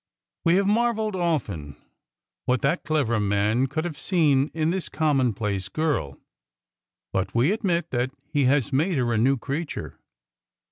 We have marvelled often what that clever man could have seen in this commonplace girl, but we admit that he has made her a new creature.